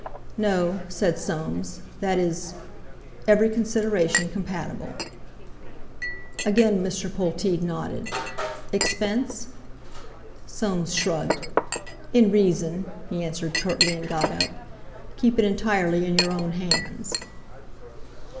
"No," said Soames; "that is—every consideration compatible." Again Mr. Polteed nodded. "Expense?" Soames shrugged. "In reason," he answered curtly, and got up. "Keep it entirely in your own hands."